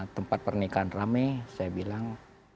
tempat pernikahan rame saya bilang